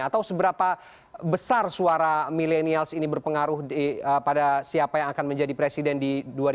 atau seberapa besar suara milenials ini berpengaruh pada siapa yang akan menjadi presiden di dua ribu dua puluh